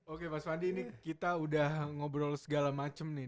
oke mas fandi ini kita udah ngobrol segala macem nih